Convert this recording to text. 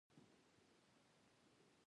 بابر اعظم د پاکستان لوبډلي کپتان دئ.